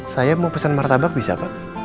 saya mau pesan martabak bisa pak